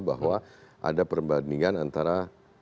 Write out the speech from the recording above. bahwa ada perbandingan antara